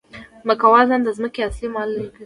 ځمکوال ځان د ځمکې اصلي مالک ګڼي